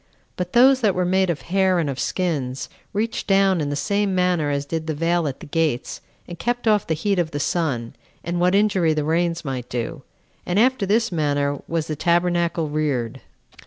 But those that were made of hair and of skins, reached down in the same manner as did the veil at the gates, and kept off the heat of the sun, and what injury the rains might do. And after this manner was the tabernacle reared.